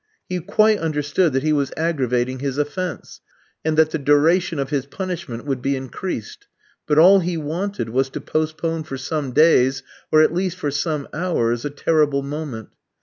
He quite understood that he was aggravating his offence, and that the duration of his punishment would be increased; but all he wanted was to postpone for some days, or at least for some hours, a terrible moment.